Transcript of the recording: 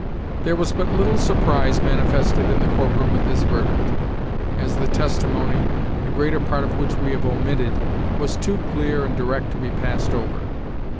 There was but little surprise manifested in the courtroom at this verdict, as the testimony, the greater part of which we have omitted, was too clear and direct to be passed over.